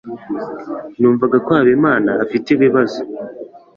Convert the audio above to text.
Numvaga ko Habimana afite ibibazo.